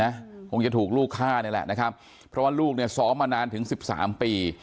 คงจะถูกลูกฆ่านี่แหละนะครับเพราะว่าลูกเนี่ยซ้อมมานานถึงสิบสามปี